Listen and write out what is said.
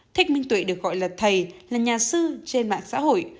thích minh tuệ được gọi là thầy là nhà sư trên mạng xã hội